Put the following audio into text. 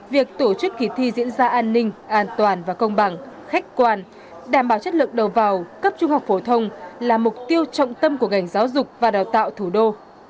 việc tổ chức kỳ thi diễn ra an ninh an toàn và công bằng khách quan đảm bảo chất lượng đầu vào cấp trung học phổ thông là mục tiêu trọng tâm của ngành giáo dục và đào tạo thủ đô